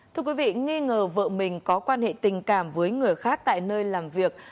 thưa quý vị nghi ngờ vợ mình có quan hệ tình cảm với người khác tại nơi làm việc